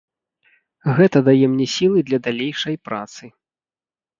Гэта дае мне сілы для далейшай працы.